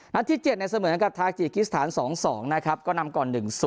นัดที่๗ในเสมอนะครับทาคจีกฤษฐาน๒๒นะครับก็นำก่อน๑๐